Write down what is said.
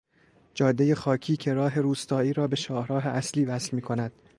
جادهی خاکی که راه روستایی را به شاهراه اصلی وصل میکند